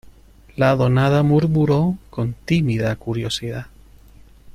la donada murmuró con tímida curiosidad: